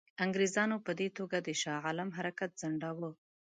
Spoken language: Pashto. انګرېزانو په دې توګه د شاه عالم حرکت ځنډاوه.